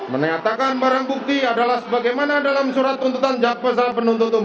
menyatakan barang bukti adalah sebagaimana dalam surat tuntutan jaksa penuntut umum